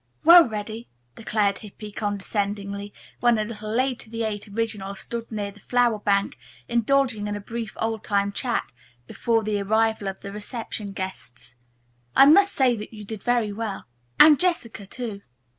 "Well, Reddy," declared Hippy condescendingly, when, a little later the Eight Originals stood near the flower bank indulging in a brief old time chat before the arrival of the reception guests, "I must say that you did very well, and Jessica, too."